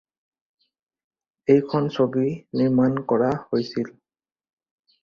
এইখন ছবি নিৰ্মাণ কৰা হৈছিল।